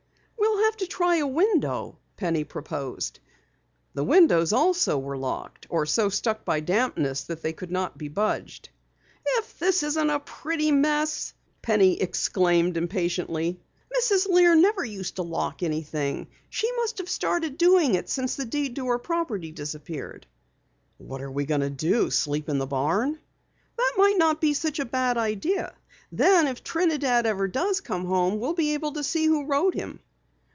"We'll have to try a window," Penny proposed. The windows also were locked or so stuck by dampness that they could not be budged. "If this isn't a pretty mess!" Penny exclaimed impatiently. "Mrs. Lear never used to lock anything. She must have started doing it since the deed to her property disappeared." "What are we going to do? Sleep in the barn?" "That might not be such a bad idea. Then if Trinidad ever comes home we'd be able to see who rode him!"